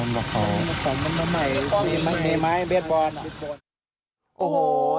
มีไม้เบสบอล